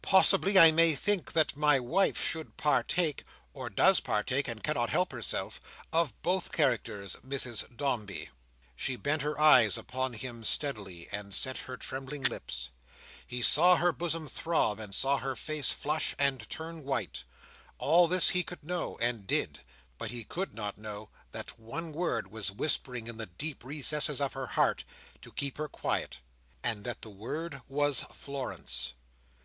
"Possibly I may think that my wife should partake—or does partake, and cannot help herself—of both characters, Mrs Dombey." She bent her eyes upon him steadily, and set her trembling lips. He saw her bosom throb, and saw her face flush and turn white. All this he could know, and did: but he could not know that one word was whispering in the deep recesses of her heart, to keep her quiet; and that the word was Florence.